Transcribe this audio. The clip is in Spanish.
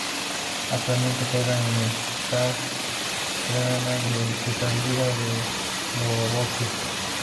Actualmente juega en el Spartak Trnava de la Superliga de Eslovaquia.